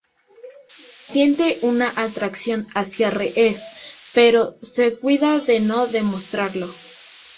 Siente una atracción hacia Reef, pero se cuida de no demostrarlo.